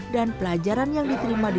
dan pelajaran yang ditemani